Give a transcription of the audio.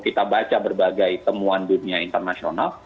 kita baca berbagai temuan dunia internasional